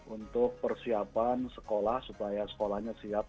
untuk persiapan sekolah supaya sekolahnya siap